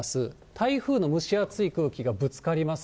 台風の蒸し暑い空気がぶつかります。